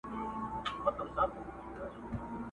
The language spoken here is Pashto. o بې عقل دونه په بل نه کوي، لکه په ځان٫